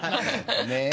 ねえ。